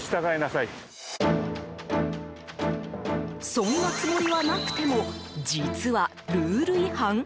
そんなつもりはなくても実はルール違反？